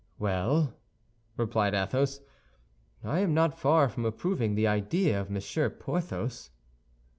"Well," replied Athos, "I am not far from approving the idea of Monsieur Porthos."